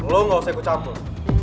lo gak usah ikut campur